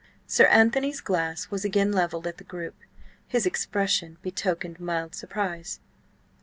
Sir Anthony's glass was again levelled at the group. His expression betokened mild surprise.